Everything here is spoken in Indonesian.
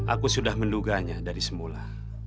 aku sudah menduganya dari semula